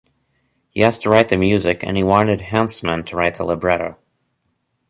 He was to write the music and he wanted Hansemann to write the libretto.